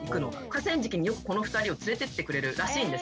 河川敷によくこの２人を連れてってくれるらしいんです。